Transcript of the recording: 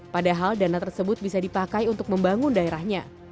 padahal dana tersebut bisa dipakai untuk membangun daerahnya